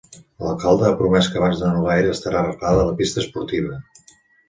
L'alcalde ha promès que abans de no gaire estarà arreglada la pista esportiva.